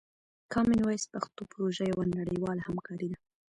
کامن وایس پښتو پروژه یوه نړیواله همکاري ده.